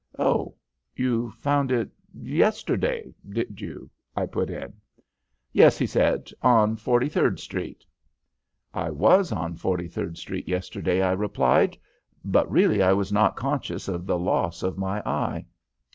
"'Oh! You found it yesterday, did you?' I put in. "'Yes,' he said. 'On Forty third Street.' "'I was on Forty third Street yesterday,' I replied, 'but really I was not conscious of the loss of my eye.'